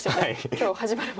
今日始まる前。